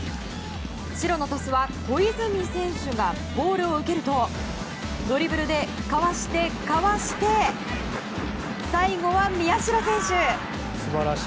白の鳥栖は小泉選手がボールを受けるとドリブルでかわして、かわして最後は宮代選手。